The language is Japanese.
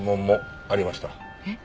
えっ？